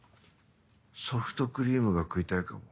ソフトクリームが食いたいかも。